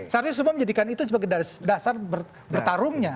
seharusnya semua menjadikan itu sebagai dasar bertarungnya